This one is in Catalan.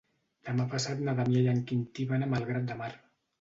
Demà passat na Damià i en Quintí van a Malgrat de Mar.